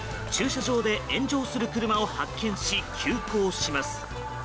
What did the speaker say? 駐車場で炎上する車を発見し急行します。